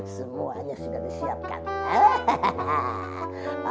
semuanya sudah disiapkan hehehe